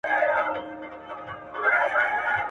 ماشومان باید د بدن د پیاوړتیا لپاره مېوې وخوري.